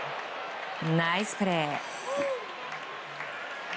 ナイスプレー。